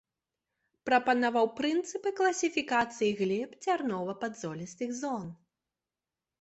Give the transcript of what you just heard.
Прапанаваў прынцыпы класіфікацыі глеб дзярнова-падзолістых зон.